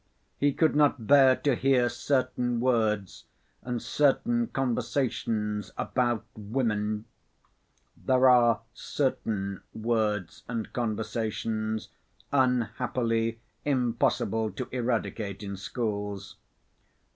He could not bear to hear certain words and certain conversations about women. There are "certain" words and conversations unhappily impossible to eradicate in schools.